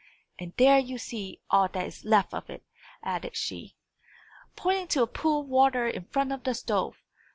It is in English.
"And there you see all that is left of it!" added she, pointing to a pool of water, in front of the stove.